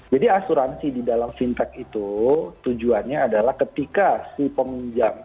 jadi asuransi di dalam fintech itu tujuannya adalah ketika si peminjam